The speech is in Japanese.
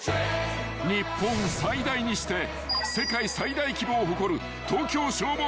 ［日本最大にして世界最大規模を誇る］